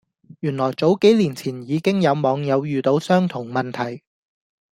原來早幾年前已經有網友遇到相同問題